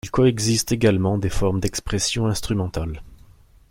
Il coexiste également des formes d'expression instrumentale.